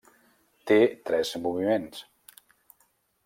Té tres moviments.